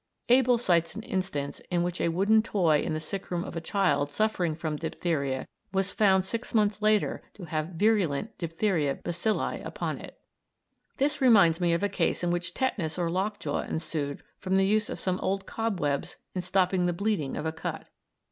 Abel cites an instance in which a wooden toy in the sickroom of a child suffering from diphtheria was found six months later to have virulent diphtheria bacilli upon it. This reminds me of a case in which tetanus or lock jaw ensued from the use of some old cobwebs in stopping the bleeding of a cut.